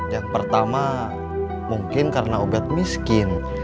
yang pertama mungkin karena obat miskin